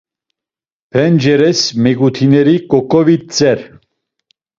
Penceres megutineri ǩoǩovitzer.